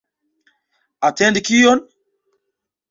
Atendi kion?